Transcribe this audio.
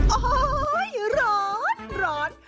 โอ้โหร้อนร้อน